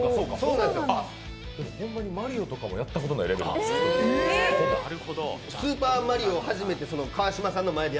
マリオとかもやったことないレベルや。